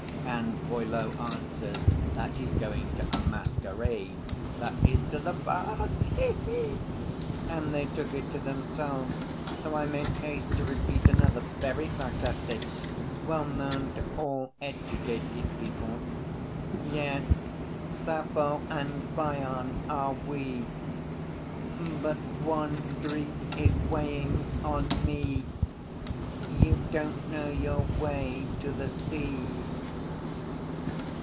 and Boileau answers that he's going to a masquerade, that is to the baths, he he! And they took it to themselves, so I made haste to repeat another, very sarcastic, well known to all educated people: Yes, Sappho and Phaon are we! But one grief is weighing on me. You don't know your way to the sea!